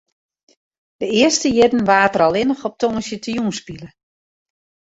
De earste jierren waard der allinne op tongersdeitejûn spile.